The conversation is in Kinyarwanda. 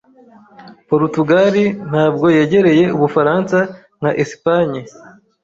Porutugali ntabwo yegereye Ubufaransa nka Espanye.